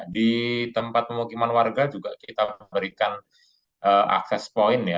di tempat pemukiman warga juga kita memberikan akses poin